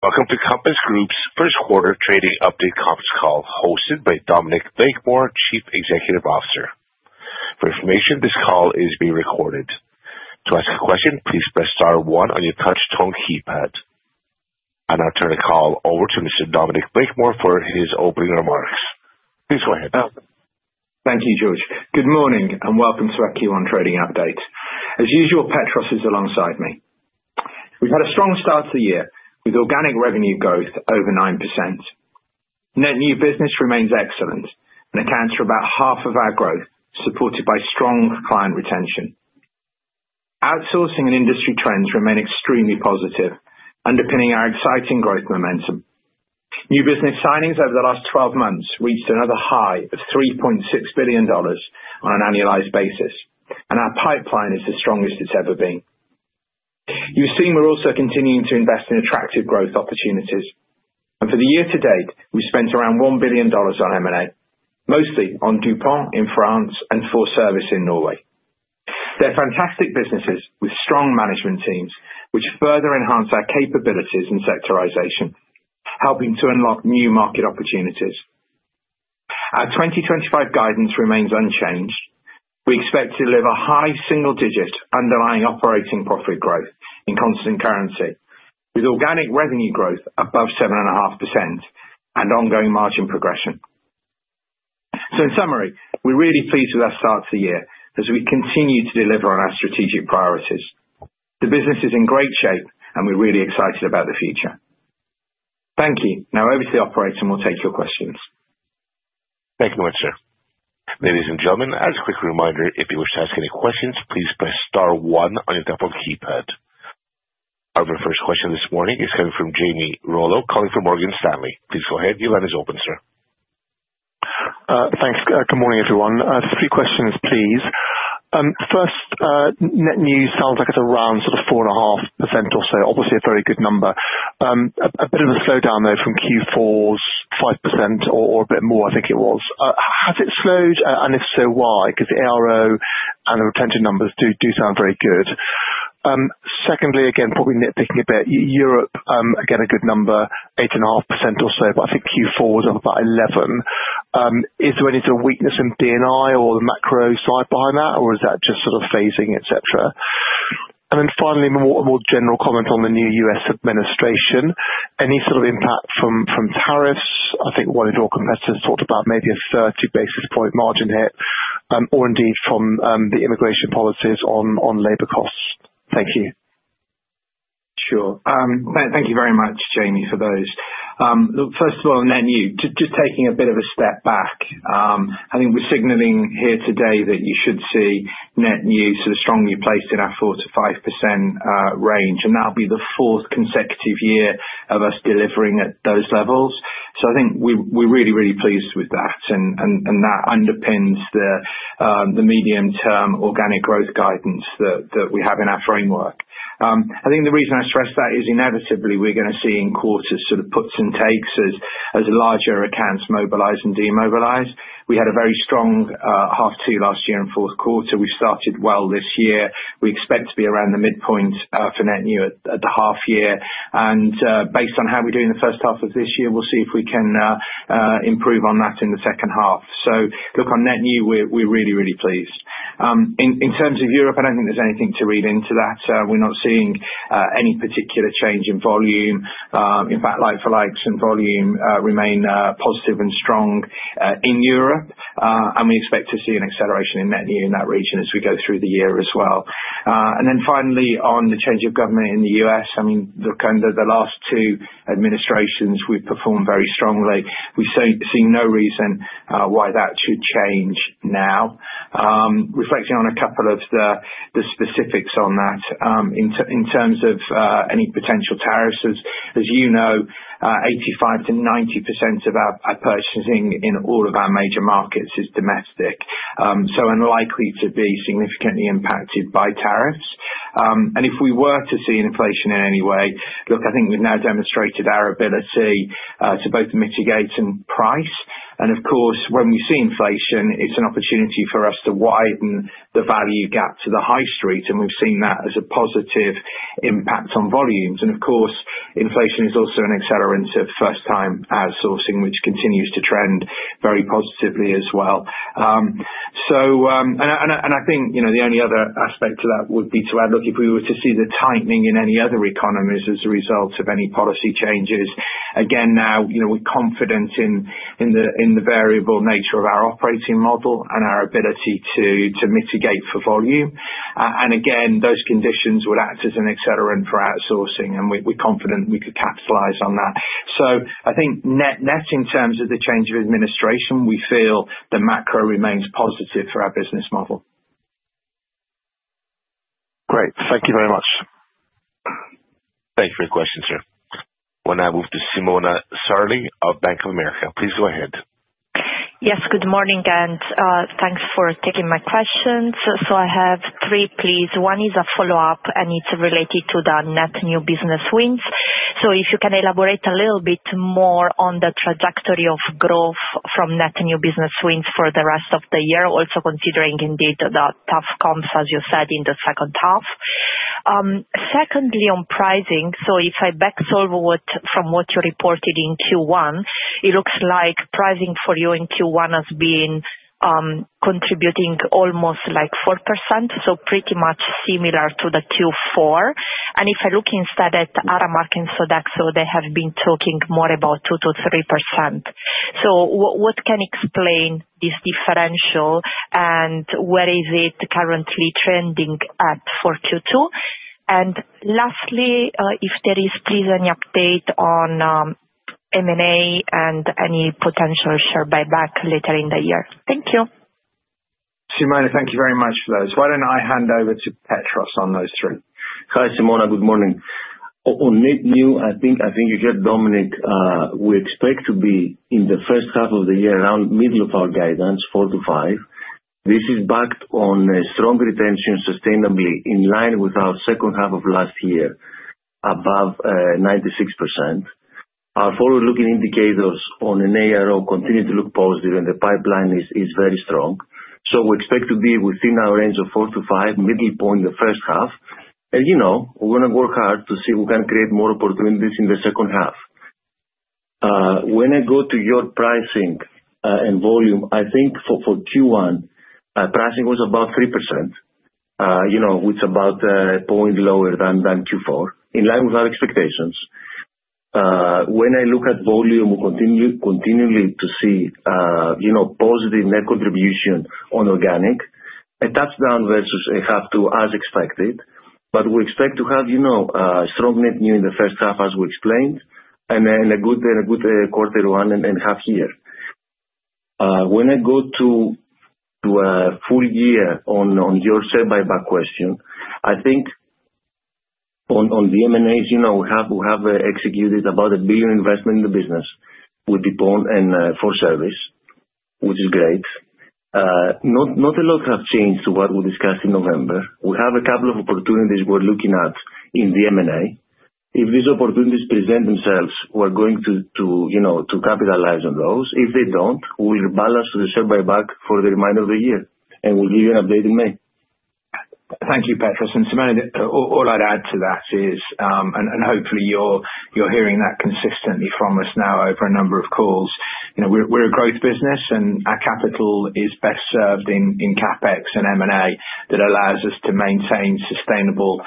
Welcome to Compass Group's first quarter trading update conference call hosted by Dominic Blakemore, Chief Executive Officer. For information, this call is being recorded. To ask a question, please press star one on your touch-tone keypad. And I'll turn the call over to Mr. Dominic Blakemore for his opening remarks. Please go ahead. Thank you, George. Good morning and welcome to our Q1 trading update. As usual, Petros is alongside me. We've had a strong start to the year with organic revenue growth over 9%. Net new business remains excellent and accounts for about half of our growth, supported by strong client retention. Outsourcing and industry trends remain extremely positive, underpinning our exciting growth momentum. New business signings over the last 12 months reached another high of $3.6 billion on an annualized basis, and our pipeline is the strongest it's ever been. You've seen we're also continuing to invest in attractive growth opportunities, and for the year to date, we've spent around $1 billion on M&A, mostly on Dupont in France and 4Service in Norway. They're fantastic businesses with strong management teams, which further enhance our capabilities and sectorization, helping to unlock new market opportunities. Our 2025 guidance remains unchanged. We expect to deliver high single-digit underlying operating profit growth in constant currency, with organic revenue growth above 7.5% and ongoing margin progression. So in summary, we're really pleased with our start to the year as we continue to deliver on our strategic priorities. The business is in great shape, and we're really excited about the future. Thank you. Now over to the operator, and we'll take your questions. Thank you very much, sir. Ladies and gentlemen, as a quick reminder, if you wish to ask any questions, please press star one on your telephone keypad. Our very first question this morning is coming from Jamie Rollo, calling from Morgan Stanley. Please go ahead. Your line is open, sir. Thanks. Good morning, everyone. Three questions, please. First, net new sounds like it's around sort of 4.5% or so, obviously a very good number. A bit of a slowdown, though, from Q4's 5% or, or a bit more, I think it was. Has it slowed? And if so, why? 'Cause the ARO and the retention numbers do, do sound very good. Secondly, again, probably nitpicking a bit, Europe, again, a good number, 8.5% or so, but I think Q4 was up about 11%. Is there any sort of weakness in B&I or the macro side behind that, or is that just sort of phasing, etc.? And then finally, more, more general comments on the new U.S. administration. Any sort of impact from, from tariffs? I think one of your competitors talked about maybe a 30 basis point margin hit, or indeed from, the immigration policies on, on labor costs. Thank you. Sure. Thank you very much, Jamie, for those. Look, first of all, net new, just taking a bit of a step back, I think we're signaling here today that you should see net new sort of strongly placed in our 4-5% range, and that'll be the fourth consecutive year of us delivering at those levels. So I think we're really pleased with that. And that underpins the medium-term organic growth guidance that we have in our framework. I think the reason I stress that is inevitably we're gonna see in quarters sort of puts and takes as larger accounts mobilize and demobilize. We had a very strong half two last year in fourth quarter. We've started well this year. We expect to be around the midpoint for net new at the half year. And, based on how we're doing the first half of this year, we'll see if we can improve on that in the second half. So look, on net new, we're really pleased. In terms of Europe, I don't think there's anything to read into that. We're not seeing any particular change in volume. In fact, like-for-like and volume remain positive and strong in Europe. And we expect to see an acceleration in net new in that region as we go through the year as well. And then finally, on the change of government in the U.S., I mean, look, under the last two administrations, we've performed very strongly. We've seen no reason why that should change now. Reflecting on a couple of the specifics on that, in terms of any potential tariffs, as you know, 85%-90% of our purchasing in all of our major markets is domestic, so unlikely to be significantly impacted by tariffs. And if we were to see inflation in any way, look, I think we've now demonstrated our ability to both mitigate and price. And of course, when we see inflation, it's an opportunity for us to widen the value gap to the High Street, and we've seen that as a positive impact on volumes. And of course, inflation is also an accelerant of first-time outsourcing, which continues to trend very positively as well. I think, you know, the only other aspect to that would be to add look if we were to see the tightening in any other economies as a result of any policy changes. Again, now, you know, we're confident in the variable nature of our operating model and our ability to mitigate for volume. Again, those conditions would act as an accelerant for outsourcing, and we're confident we could capitalize on that. I think net in terms of the change of administration, we feel the macro remains positive for our business model. Great. Thank you very much. Thank you for your questions, sir. We'll now move to Simona Sarli of Bank of America. Please go ahead. Yes, good morning, and thanks for taking my questions. So I have three, please. One is a follow-up, and it's related to the net new business wins. So if you can elaborate a little bit more on the trajectory of growth from net new business wins for the rest of the year, also considering indeed the tough comps, as you said, in the second half. Secondly, on pricing, so if I backsolve what from what you reported in Q1, it looks like pricing for you in Q1 has been contributing almost like 4%, so pretty much similar to the Q4. And if I look instead at Aramark and Sodexo, so they have been talking more about 2%-3%. So what can explain this differential, and where is it currently trending at for Q2? Lastly, if there is, please, any update on, M&A and any potential share buyback later in the year? Thank you. Simona, thank you very much for those. Why don't I hand over to Petros on those three? Hi, Simona. Good morning. On net new, I think you heard Dominic, we expect to be in the first half of the year around middle of our guidance, 4%-5%. This is backed on a strong retention sustainably in line with our second half of last year, above 96%. Our forward-looking indicators on an ARO continue to look positive, and the pipeline is very strong. So we expect to be within our range of 4%-5%, middle point, the first half. And, you know, we're gonna work hard to see if we can create more opportunities in the second half. When I go to your pricing, and volume, I think for Q1, pricing was about 3%, you know, which is about a point lower than Q4, in line with our expectations. When I look at volume, we continue to see, you know, positive net contribution on organic. A touch down versus half two, as expected, but we expect to have, you know, strong net new in the first half, as we explained, and a good quarter one and half year. When I go to a full year on your share buyback question, I think on the M&As, you know, we have executed about a billion investment in the business with Dupont and 4Service, which is great. Not a lot have changed from what we discussed in November. We have a couple of opportunities we're looking at in the M&A. If these opportunities present themselves, we're going to, you know, capitalize on those. If they don't, we'll rebalance the share buyback for the remainder of the year, and we'll give you an update in May. Thank you, Petros and Simona. All I'd add to that is, and hopefully you're hearing that consistently from us now over a number of calls. You know, we're a growth business, and our capital is best served in CapEx and M&A that allows us to maintain sustainable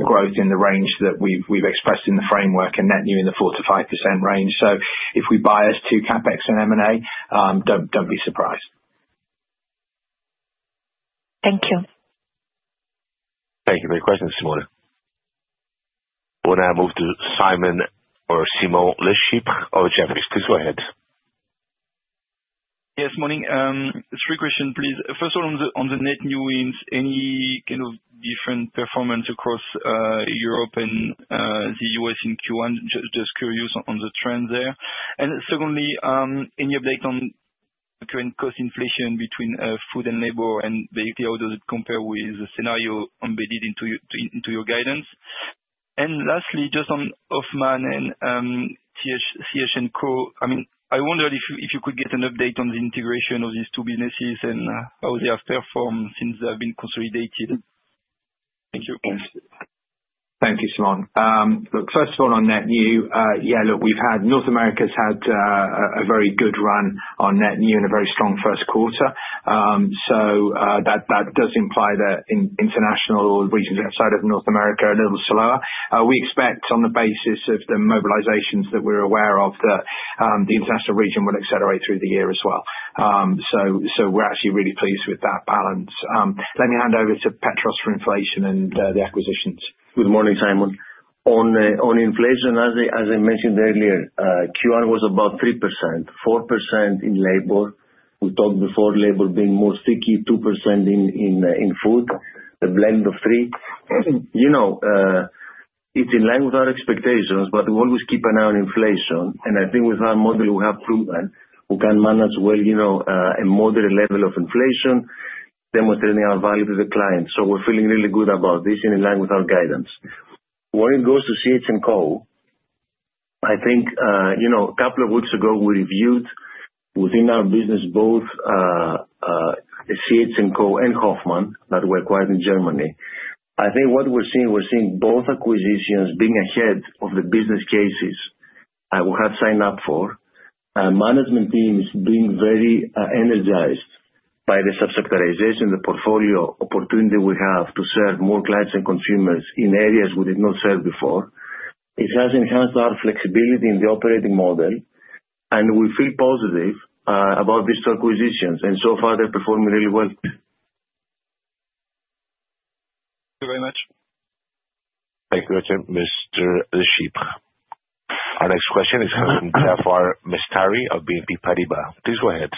growth in the range that we've expressed in the framework and net new in the 4%-5% range. So if we bias to CapEx and M&A, don't be surprised. Thank you. Thank you for your questions, Simona. We'll now move to Simon or Simon LeChipre of Jefferies. Please go ahead. Yes, morning. Three questions, please. First of all, on the net new wins, any kind of different performance across Europe and the US in Q1? Just curious on the trend there. And secondly, any update on current cost inflation between food and labor, and basically, how does it compare with the scenario embedded into your guidance? And lastly, just on Hofmann and CH&CO. I mean, I wondered if you could get an update on the integration of these two businesses and how they have performed since they have been consolidated. Thank you. Thank you, Simona. Look, first of all, on net new, yeah, look, we've had North America's had a very good run on net new and a very strong first quarter. So that does imply that in international or regions outside of North America, a little slower. We expect on the basis of the mobilizations that we're aware of that the international region will accelerate through the year as well. So we're actually really pleased with that balance. Let me hand over to Petros for inflation and the acquisitions. Good morning, Simona. On inflation, as I mentioned earlier, Q1 was about 3%, 4% in labor. We talked before, labor being more sticky, 2% in food, a blend of 3%. You know, it's in line with our expectations, but we always keep an eye on inflation. I think with our model, we have proven we can manage well, you know, a moderate level of inflation, demonstrating our value to the client. So we're feeling really good about this, in line with our guidance. When it goes to CH&CO, I think, you know, a couple of weeks ago, we reviewed within our business both, CH&CO and Hofmann that were acquired in Germany. I think what we're seeing, we're seeing both acquisitions being ahead of the business cases that we have signed up for. Our management team is being very energized by the subsectorization, the portfolio opportunity we have to serve more clients and consumers in areas we did not serve before. It has enhanced our flexibility in the operating model, and we feel positive about these two acquisitions, and so far, they're performing really well. Thank you very much. Thank you, Richard, Mr. LeChipre. Our next question is coming from Jaafar Mestari of BNP Paribas. Please go ahead.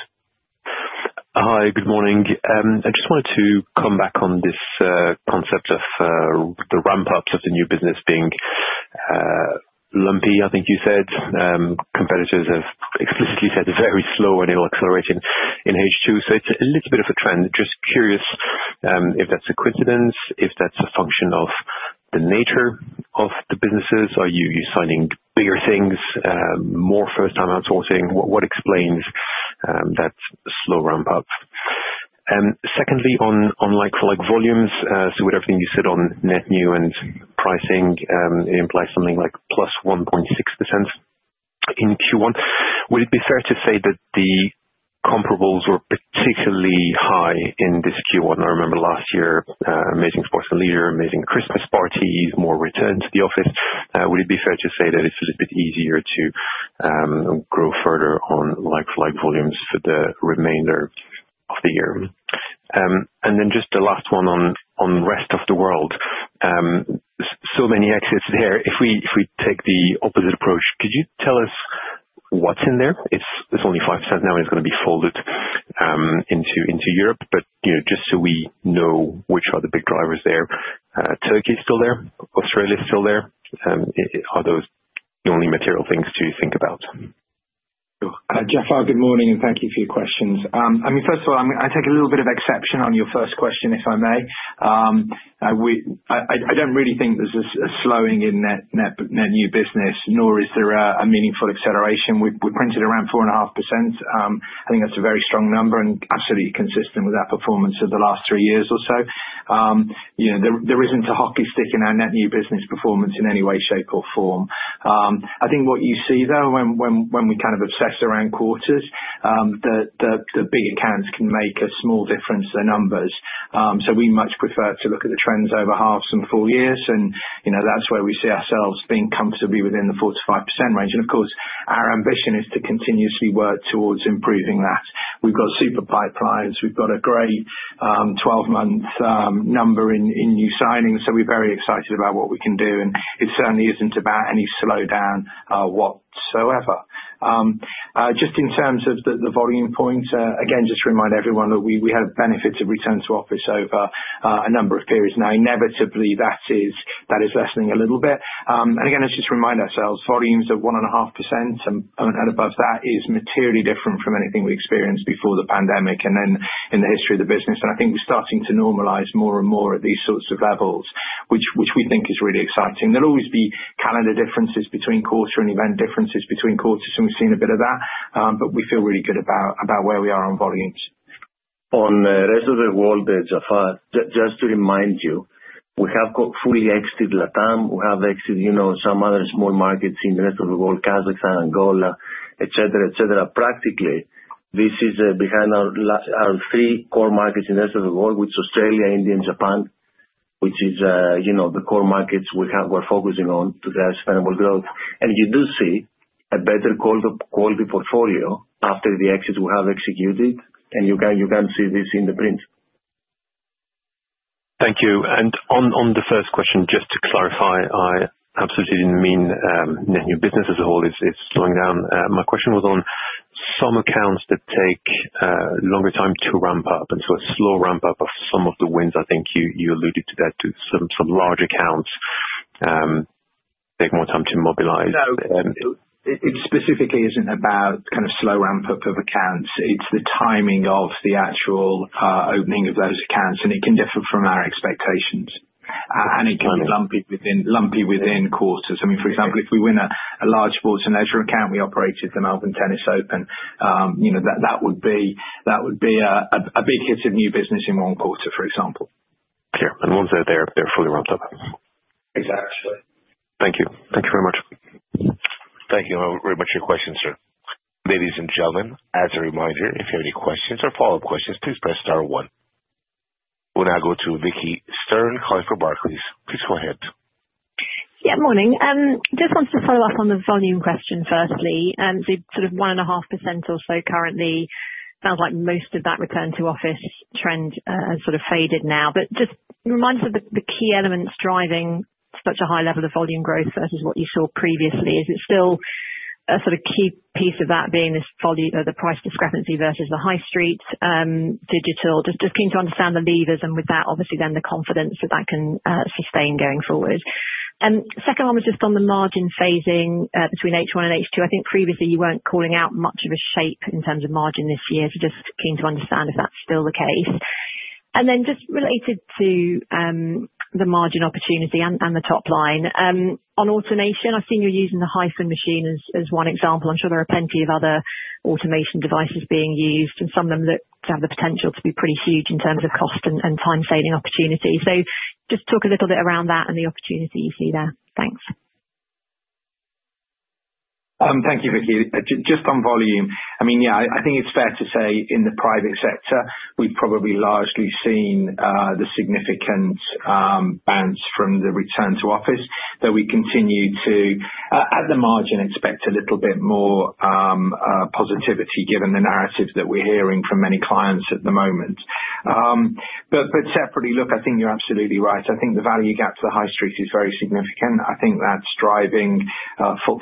Hi, good morning. I just wanted to come back on this concept of the ramp-ups of the new business being lumpy, I think you said. Competitors have explicitly said very slow and ill-accelerating in H2. So it's a little bit of a trend. Just curious if that's a coincidence, if that's a function of the nature of the businesses, are you signing bigger things, more first-time outsourcing? What explains that slow ramp-up? Secondly, on like-for-like volumes, so with everything you said on net new and pricing, it implies something like plus 1.6% in Q1. Would it be fair to say that the comparables were particularly high in this Q1? I remember last year, amazing sports and leisure, amazing Christmas parties, more return to the office. Would it be fair to say that it's a little bit easier to grow further on like-for-like volumes for the remainder of the year? And then just the last one on Rest of the World. So many exits there. If we take the opposite approach, could you tell us what's in there? It's only 5% now, and it's gonna be folded into Europe. But, you know, just so we know which are the big drivers there, Turkey's still there, Australia's still there. Are those the only material things to think about? Jaafar, good morning, and thank you for your questions. I mean, first of all, I'm gonna take a little bit of exception on your first question, if I may. I don't really think there's a slowing in net new business, nor is there a meaningful acceleration. We printed around 4.5%. I think that's a very strong number and absolutely consistent with our performance of the last three years or so. You know, there isn't a hockey stick in our net new business performance in any way, shape, or form. I think what you see, though, when we kind of obsess around quarters, the big accounts can make a small difference to numbers. So we much prefer to look at the trends over halves and full years, and, you know, that's where we see ourselves being comfortably within the 4%-5% range. And of course, our ambition is to continuously work towards improving that. We've got super pipelines. We've got a great 12-month number in new signings. So we're very excited about what we can do, and it certainly isn't about any slowdown, whatsoever. Just in terms of the volume points, again, just to remind everyone that we have benefits of return to office over a number of periods. Now, inevitably, that is lessening a little bit. And again, let's just remind ourselves, volumes of 1.5% and above that is materially different from anything we experienced before the pandemic and then in the history of the business. I think we're starting to normalize more and more at these sorts of levels, which we think is really exciting. There'll always be calendar differences between quarter and event differences between quarters, and we've seen a bit of that. But we feel really good about where we are on volumes. On Rest of the World, Jaafar, just to remind you, we have completely exited LATAM. We have exited, you know, some other small markets in the Rest of the World, Kazakhstan, Angola, etc., etc. Practically, this is behind our three core markets in the Rest of the World, which is, you know, the core markets we have. We're focusing on to drive sustainable growth. You do see a better quality portfolio after the exits we have executed, and you can see this in the print. Thank you. And on the first question, just to clarify, I absolutely didn't mean net new business as a whole is slowing down. My question was on some accounts that take longer time to ramp up, and so a slow ramp-up of some of the wins. I think you alluded to that, to some large accounts take more time to mobilize. No, it specifically isn't about kind of slow ramp-up of accounts. It's the timing of the actual opening of those accounts, and it can differ from our expectations, and it can be lumpy within quarters. I mean, for example, if we win a large sports and leisure account, we operated the Melbourne Tennis Open, you know, that would be a big hit of new business in one quarter, for example. Yeah. And once they're there, they're fully ramped up. Exactly. Thank you. Thank you very much. Thank you very much for your questions, sir. Ladies and gentlemen, as a reminder, if you have any questions or follow-up questions, please press star one. We'll now go to Vicki Stern, Barclays, please. Please go ahead. Yeah, morning. Just wanted to follow up on the volume question firstly. So sort of 1.5% or so currently. Sounds like most of that return to office trend has sort of faded now. But just remind us of the key elements driving such a high level of volume growth versus what you saw previously. Is it still a sort of key piece of that being this volume, the price discrepancy versus the High Street, digital? Just keen to understand the levers, and with that, obviously then the confidence that that can sustain going forward. Second one was just on the margin phasing between H1 and H2. I think previously you weren't calling out much of a shape in terms of margin this year, so just keen to understand if that's still the case. And then just related to the margin opportunity and the top line, on automation, I've seen you're using the Hyphen machine as one example. I'm sure there are plenty of other automation devices being used, and some of them look to have the potential to be pretty huge in terms of cost and time-saving opportunities. So just talk a little bit around that and the opportunity you see there. Thanks. Thank you, Vicki. Just on volume, I mean, yeah, I think it's fair to say in the private sector, we've probably largely seen the significant bounce from the return to office. Though we continue to, at the margin, expect a little bit more positivity given the narrative that we're hearing from many clients at the moment, but separately, look, I think you're absolutely right. I think the value gap to the High Street is very significant. I think that's driving full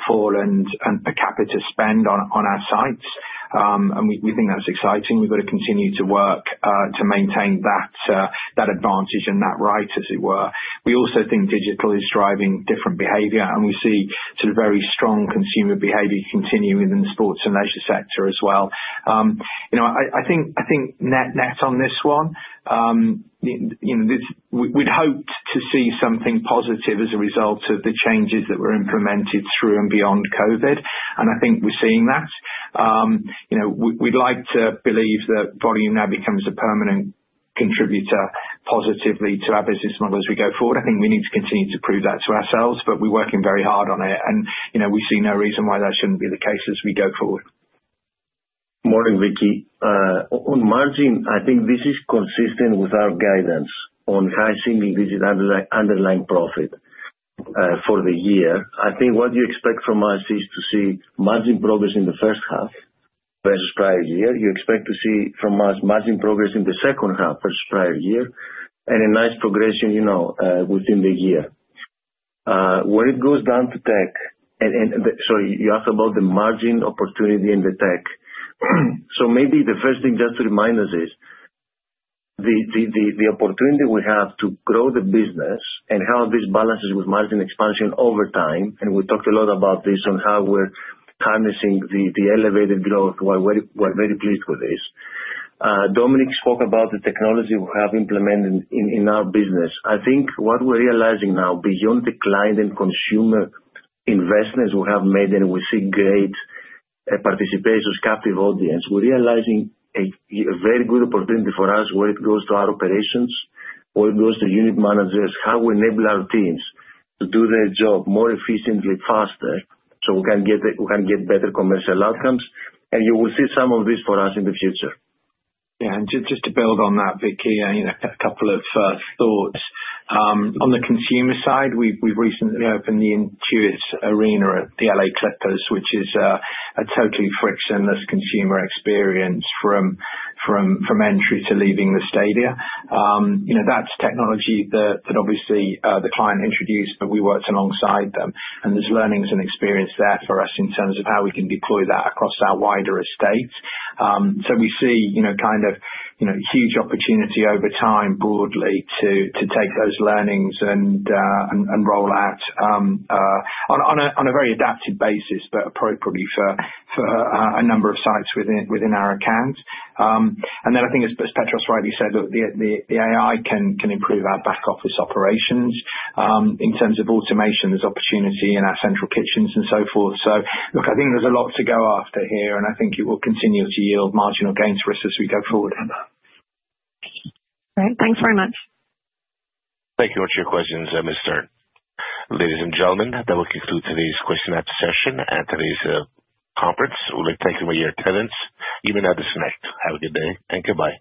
and per capita spend on our sites, and we think that's exciting. We've gotta continue to work to maintain that advantage and that right, as it were. We also think digital is driving different behavior, and we see sort of very strong consumer behavior continuing within the sports and leisure sector as well. You know, I think net net on this one, you know, this we'd hoped to see something positive as a result of the changes that were implemented through and beyond COVID, and I think we're seeing that. You know, we'd like to believe that volume now becomes a permanent contributor positively to our business model as we go forward. I think we need to continue to prove that to ourselves, but we're working very hard on it, and, you know, we see no reason why that shouldn't be the case as we go forward. Morning, Vicki. On margin, I think this is consistent with our guidance on high single digit underlying profit for the year. I think what you expect from us is to see margin progress in the first half versus prior year. You expect to see from us margin progress in the second half versus prior year, and a nice progression, you know, within the year. When it goes down to tech, and the, sorry, you asked about the margin opportunity in the tech. So maybe the first thing just to remind us is the opportunity we have to grow the business and how this balances with margin expansion over time. We talked a lot about this on how we're harnessing the elevated growth while very pleased with this. Dominic spoke about the technology we have implemented in our business. I think what we're realizing now, beyond the client and consumer investments we have made, and we see great participation, captive audience, we're realizing a very good opportunity for us where it goes to our operations, where it goes to unit managers, how we enable our teams to do their job more efficiently, faster, so we can get better commercial outcomes, and you will see some of this for us in the future. Yeah. And just to build on that, Vicki, you know, a couple of thoughts on the consumer side. We've recently opened the Intuit Dome at the LA Clippers, which is a totally frictionless consumer experience from entry to leaving the stadium. You know, that's technology that obviously the client introduced, but we worked alongside them. And there's learnings and experience there for us in terms of how we can deploy that across our wider estate. So we see, you know, kind of, you know, huge opportunity over time broadly to take those learnings and roll out on a very adapted basis, but appropriately for a number of sites within our account. And then I think as Petros rightly said, look, the AI can improve our back office operations, in terms of automation as opportunity in our central kitchens and so forth. So look, I think there's a lot to go after here, and I think it will continue to yield marginal gains for us as we go forward. Great. Thanks very much. Thank you for your questions, Ms. Stern. Ladies and gentlemen, that will conclude today's question and answer session and today's conference. We'll be taking away your attendance. You may now disconnect. Have a good day and goodbye.